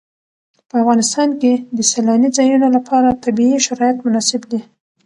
په افغانستان کې د سیلانی ځایونه لپاره طبیعي شرایط مناسب دي.